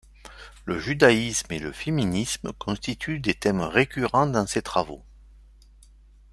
Le judaïsme et le féminisme constituent des thèmes récurrents dans ses travaux.